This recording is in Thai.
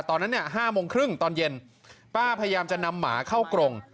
ตอนนั้นเนี่ย๕โมงครึ่งตอนเย็นป้าพยายามจะนำหมาเข้ากรง